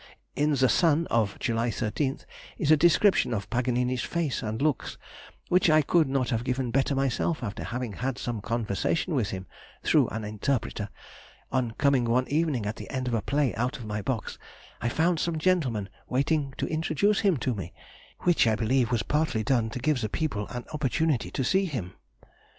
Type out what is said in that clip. In The Sun of July 13 is a description of Paganini's face and looks, which I could not have given better myself after having had some conversation with him (through an interpreter); on coming one evening at the end of a play out of my box, I found some gentlemen waiting to introduce him to me, which I believe was partly done to give the people an opportunity to see him.